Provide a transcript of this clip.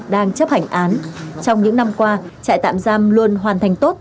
đang chấp hành án trong những năm qua trại tạm giam luôn hoàn thành tốt